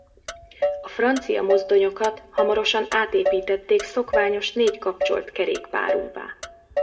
A francia mozdonyokat hamarosan átépítették szokványos négy kapcsolt kerékpárúvá.